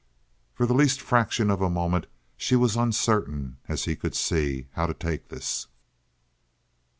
For the least fraction of a moment she was uncertain, as he could see, how to take this.